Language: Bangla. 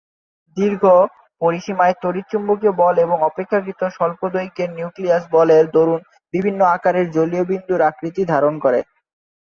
দীর্ঘ পরিসীমার তড়িৎ-চুম্বকীয় বল এবং অপেক্ষাকৃত স্বল্প দৈর্ঘ্যের নিউক্লিয়ার বলের দরুণ বিভিন্ন আকারের জলীয় বিন্দুর আকৃতি ধারণ করে।